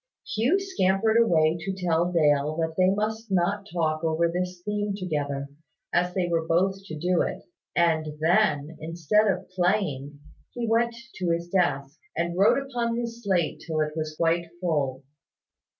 Hugh scampered away to tell Dale that they must not talk over this theme together, as they were both to do it; and then, instead of playing, he went to his desk, and wrote upon his slate till it was quite full.